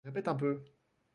Répète un peu.